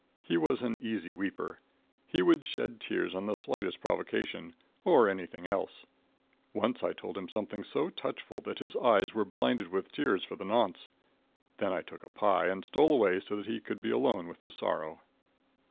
He was an easy weeper. He would shed tears on the slightest provocation, or anything else. Once I told him something so touchful that his eyes were blinded with tears for the nonce. Then I took a pie, and stole away so that he could be alone with his sorrow.